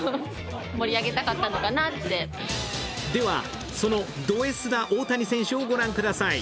ではそのドＳな大谷選手をご覧ください。